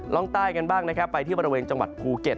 ร่องใต้กันบ้างนะครับไปที่บริเวณจังหวัดภูเก็ต